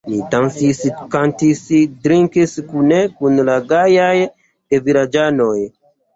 Ni dancis, kantis, drinkis kune kun la gajaj gevilaĝanoj.